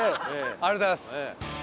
ありがとうございます。